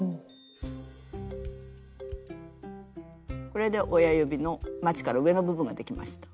これで親指のまちから上の部分ができました。